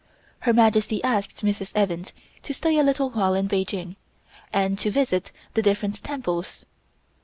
Her Majesty asked Mrs. Evans to stay a little while in Peking, and to visit the different temples.